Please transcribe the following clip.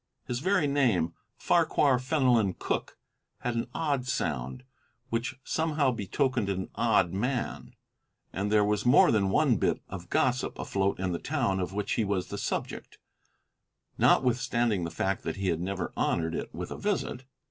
His very name Farquhar Fenelon Cooke had an odd sound which somehow betokened an odd man, and there was more than one bit of gossip afloat in the town of which he was the subject, notwithstanding the fact that he had never honored it with a visit.